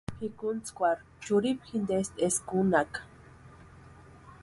Pʼikuntskwarhu churhipu jintesti eska únhaka.